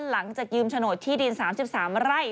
หลังจากยืมโฉนดที่ดิน๓๓ไร่